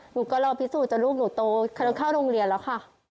หนูก็รอพิสูจนลูกหนูโตเขาเข้าโรงเรียนแล้วค่ะ